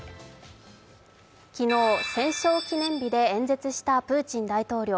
昨日、戦勝記念日で演説したプーチン大統領。